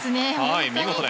見事です。